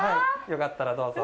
よかったら、どうぞ。